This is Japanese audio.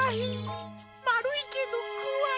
まるいけどこわい。